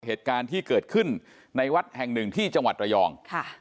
เหตุการณ์ที่เกิดขึ้นในวัดแห่งหนึ่งที่จังหวัดระยองค่ะ